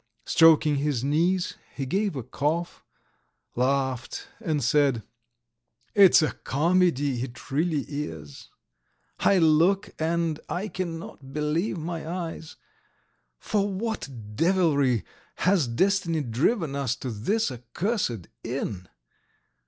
Stroking his knees, he gave a cough, laughed, and said: "It's a comedy, it really is. ... I look and I cannot believe my eyes: for what devilry has destiny driven us to this accursed inn?